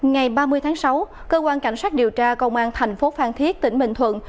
ngày ba mươi tháng sáu cơ quan cảnh sát điều tra công an thành phố phan thiết tỉnh bình thuận